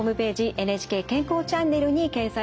「ＮＨＫ健康チャンネル」に掲載されます。